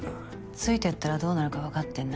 ついてったらどうなるか分かってんな。